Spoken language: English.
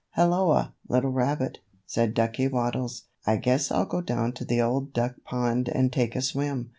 "HELLOA, little rabbit," said Ducky Waddles. "I guess I'll go down to the Old Duck Pond and take a swim."